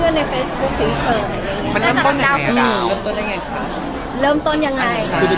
เค้าพักให้เริ่มต้นยังไงไง